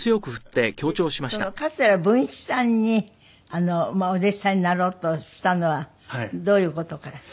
でその桂文枝さんにお弟子さんになろうとしたのはどういう事から？